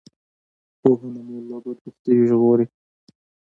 پوهنه مو له بدبختیو ژغوری